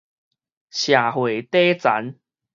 社會底層